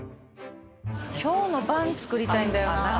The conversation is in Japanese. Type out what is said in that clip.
今日の晩作りたいんだよな。